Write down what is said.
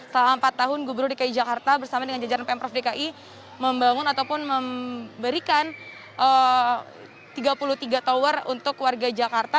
selama empat tahun gubernur dki jakarta bersama dengan jajaran pemprov dki membangun ataupun memberikan tiga puluh tiga tower untuk warga jakarta